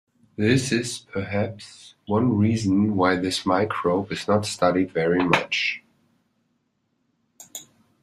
This is perhaps one reason why this microbe is not studied very much.